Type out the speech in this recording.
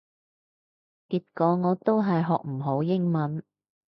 結果我都係學唔好英文